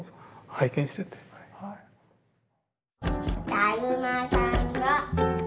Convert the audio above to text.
「だるまさんが」。